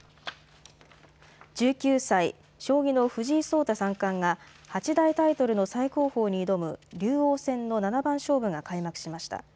１９歳、将棋の藤井聡太三冠が八大タイトルの最高峰に挑む竜王戦の七番勝負が開幕しました。